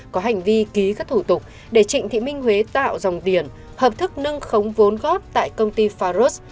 có hành vi ký các thủ tục để trịnh thị minh huế tạo dòng tiền hợp thức nâng khống vốn góp tại công ty faros